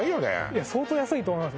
いや相当安いと思います